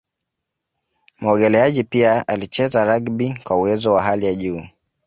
Muogeleaji pia alicheza rugby kwa uwezo wa hali ya juu